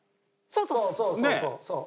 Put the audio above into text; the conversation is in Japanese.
そうそうそうそう。